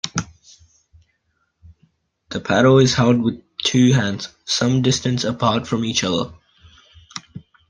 The paddle is held with two hands, some distance apart from each other.